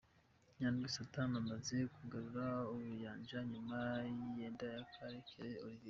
Nyandwi Saddam amaze kugarura ubuyanja nyuma y'igenda rya Karekezi Olivier .